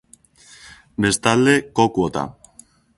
Bestalde, ko kuota.